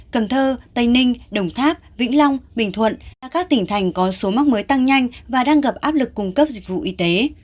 cần thơ tây ninh đồng tháp vĩnh long bình thuận là các tỉnh thành có số mắc mới tăng nhanh và đang gặp áp lực cung cấp dịch vụ y tế